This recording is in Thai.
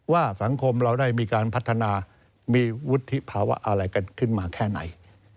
ว่าสังคมเราได้มีการพัฒนามีวุฒิภาวะอะไรกันขึ้นมาแค่ไหน